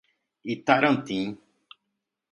Itarantim